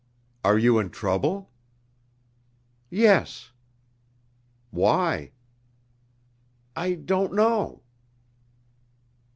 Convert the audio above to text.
"Are you in trouble?" "Yes." "Why?" "I don't know."